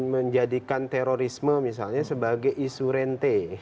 menjadikan terorisme misalnya sebagai isu rente